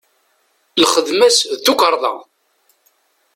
Lxedma-s d tukarḍa.